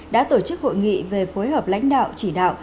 đã tổ chức hội nghị về phối hợp lãnh đạo chỉ đạo